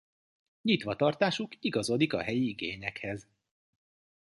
Nyitva tartásuk igazodik a helyi igényekhez.